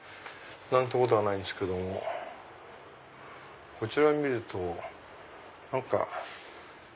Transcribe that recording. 何てことはないんですけどもこちらを見ると何か。